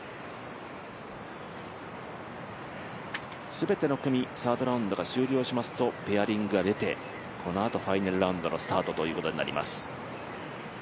全ての組、サードラウンドが終了しますとペアリングが出てこのあとファイナルラウンドのスタートということになります。